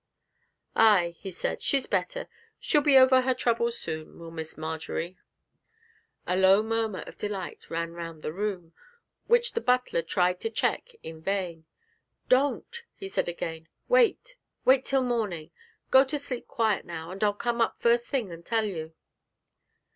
'Ay,' he said, 'she's better. She'll be over her trouble soon, will Miss Marjory!' A low murmur of delight ran round the room, which the butler tried to check in vain. 'Don't!' he said again, 'wait wait till morning.... Go to sleep quiet now, and I'll come up first thing and tell you.'